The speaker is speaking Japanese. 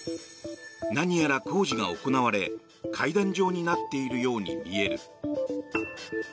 何やら工事が行われ階段状になっているように見える。